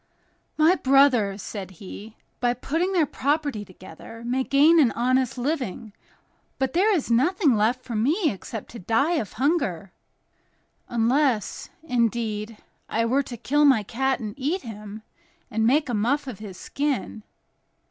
"My brothers," said he, "by putting their property together, may gain an honest living, but there is nothing left for me except to die of hunger, unless, indeed, I were to kill my cat and eat him, and make a muff of his skin."